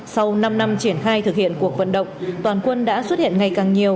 sau năm năm triển khai thực hiện cuộc vận động toàn quân đã xuất hiện ngày càng nhiều